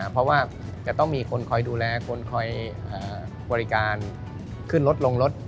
เพราะว่าจะต้องมีคนคอยดูแลคนคอยบริการขึ้นรถลงรถ